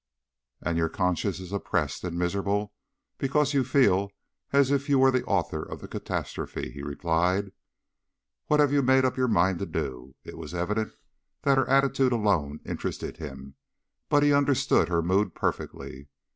"And your conscience is oppressed and miserable because you feel as if you were the author of the catastrophe," he replied. "What have you made up your mind to do?" It was evident that her attitude alone interested him, but he understood her mood perfectly.